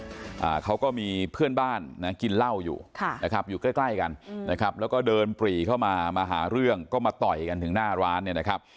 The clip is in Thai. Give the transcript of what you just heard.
อ่าเขาก็มีเพื่อนบ้านนะกินเหล้าอยู่ค่ะนะครับอยู่ใกล้ใกล้กันอืมนะครับแล้วก็เดินปรีเข้ามามาหาเรื่องก็มาต่อยกันถึงหน้าร้านเนี่ยนะครับ